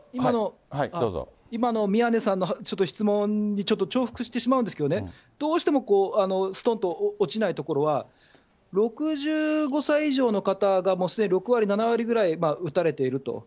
今の宮根さんのちょっと質問にちょっと重複してしまうんですけどね、どうしても、すとんと落ちないところは、６５歳以上の方がすでに６割、７割ぐらい打たれてると。